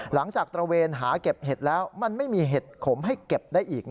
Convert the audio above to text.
หลังจากภรรยาเก็บเห็ดแล้วมันไม่มีเห็ดขมให้เก็บได้อีก